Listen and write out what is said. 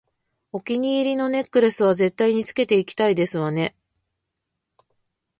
お気に入りのネックレスは絶対につけていきたいですわね